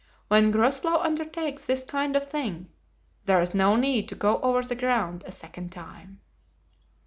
"When Groslow undertakes this kind of thing there's no need to go over the ground a second time."